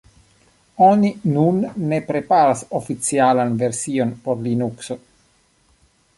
Oni nun ne preparas oficialan version por Linukso.